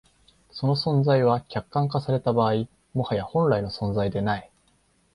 その存在は、客観化された場合、もはや本来の存在でない。